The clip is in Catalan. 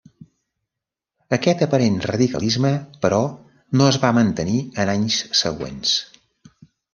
Aquest aparent radicalisme, però, no es va mantenir en anys següents.